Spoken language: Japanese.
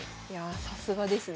さすがですね。